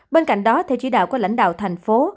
bên cạnh đó theo chỉ đạo của lãnh đạo thành phố